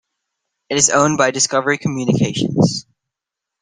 It is owned by Discovery Communications.